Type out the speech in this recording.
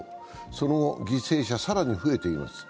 その後、犠牲者は更に増えています